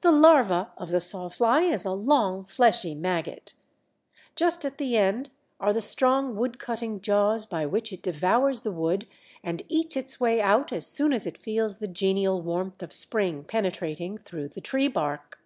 The larvæ of the Sawfly is a long, fleshy maggot. Just at the end are the strong woodcutting jaws by which it devours the wood and eats its way out as soon as it feels the genial warmth of spring penetrating through the tree bark.